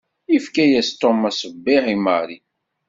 Yefka-yas Tom aṣebbiɛ i Mary.